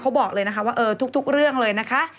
บอกเลยนะคะว่าทุกเรื่องเลยนะคะ